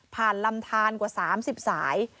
ลำทานกว่า๓๐สาย